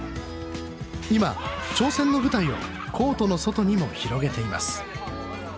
今挑戦の舞台をコートの外にも広げています